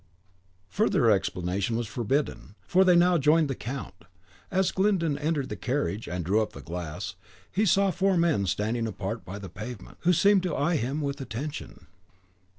Further explanation was forbidden, for they now joined the count. As Glyndon entered the carriage and drew up the glass, he saw four men standing apart by the pavement, who seemed to eye him with attention.